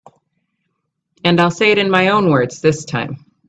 And I'll say it in my own words this time.